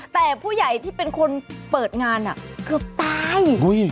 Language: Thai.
แต่ผู้ใหญ่ที่เป็นคนเปิดงานเกือบตาย